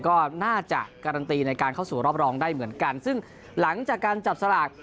ก็น่าจะการันตีในการเข้าสู่รอบรองได้เหมือนกันซึ่งหลังจากการจับสลาก